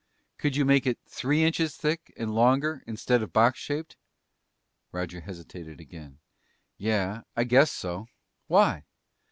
"Could you make it three inches thick, and longer, instead of box shaped?" Roger hesitated again. "Yeah, I guess so. Why?"